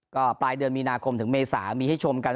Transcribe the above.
ก็ปลายเดือนมีนาคมถึงเมษามีให้ชมกัน